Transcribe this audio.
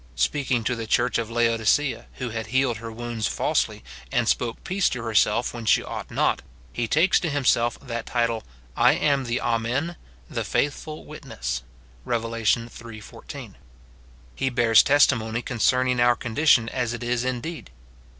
Speaking to the church of Laodicea, who had healed her ■wounds falsely, and spoke peace to herself when she ought not, he takes to himself that title, " I am the Amen, the faithful Witness," Rev. iii. 14. He bears testimony concerning our condition as it is indeed.